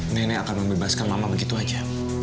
nenek akan membebaskan mama begitu aja